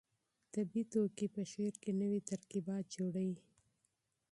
طبیعي توکي په شعر کې نوي ترکیبات جوړوي.